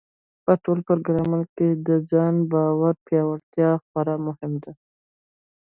په ټولو پړاوونو کې د ځان باور پیاوړتیا خورا مهمه ده.